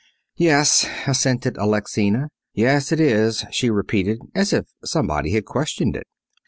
"Yes," assented Alexina. "Yes, it is," she repeated, as if somebody had questioned it.